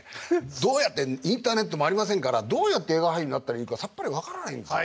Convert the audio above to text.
どうやってインターネットもありませんからどうやって映画俳優になったらいいかさっぱり分からないんですよ。